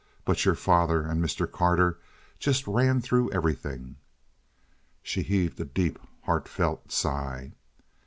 But your father and Mr. Carter just ran through everything." She heaved a deep, heartfelt sigh.